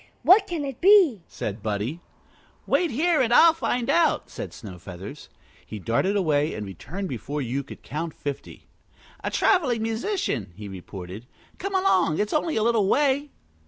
"What can it be?" said Buddie. "Wait here and I'll find out," said Snowfeathers. He darted away and returned before you could count fifty. "A traveling musician," he reported. "Come along. It's only a little way."